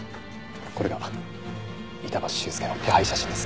これが板橋秀介の手配写真です。